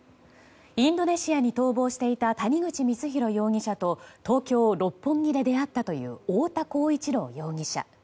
インドネシアに逃亡していた谷口光弘容疑者と東京・六本木で出会ったという太田浩一朗容疑者。